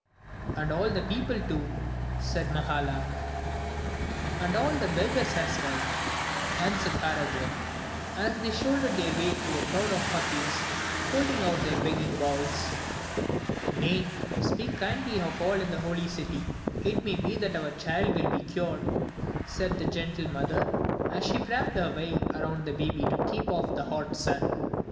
"And all the people, too," said Mahala. "And all the beggars as well," answered Harajar, as they shouldered their way through a crowd of "fakirs" holding out their begging bowls. "Nay, speak kindly of all in the 'Holy City.' It may be that our child will be cured," said the gentle mother, as she wrapped her veil around the baby to keep off the hot sun.